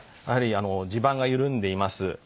やはり地盤が緩んでいます。